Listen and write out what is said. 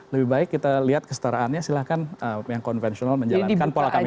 lebih baik kita lihat kestaraannya silahkan yang konvensional menjalankan pola kampanye